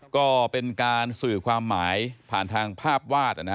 ก็เป็นการสื่อความหมายผ่านทางภาพวาด